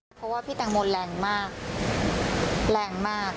เพราะว่าพี่แตงโมแรงมาก